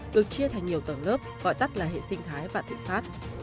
được chia thành nhiều tầng lớp gọi tắt là hệ sinh thái vạn thịnh pháp